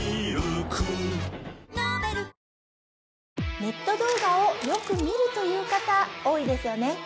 ネット動画をよく見るという方多いですよね